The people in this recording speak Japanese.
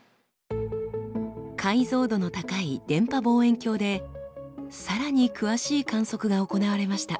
解像度の高い電波望遠鏡でさらに詳しい観測が行われました。